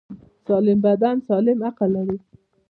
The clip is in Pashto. سالم بدن سالم عقل لري.